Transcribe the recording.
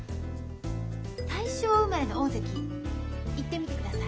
大正生まれの大関言ってみてください。